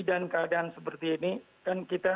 dan keadaan seperti ini kan kita